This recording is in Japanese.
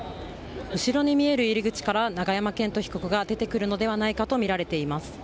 後ろに見える入り口から永山絢斗被告が出てくるのではないかとみられています。